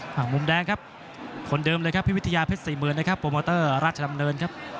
ห้างมุมแดงครับคนเดิมเลยครับพิวิทยาเพชร๔๐๐๐๐นะครับโปรโมเตอร์รัชดำเนินครับ